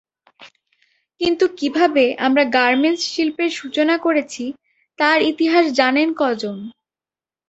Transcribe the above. কিন্তু কীভাবে আমরা গার্মেন্টস শিল্পের সূচনা করেছি, তার ইতিহাস জানেন কজন।